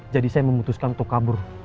jadi saya memutuskan untuk kabur